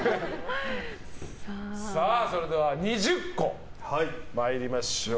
それでは２０個参りましょう。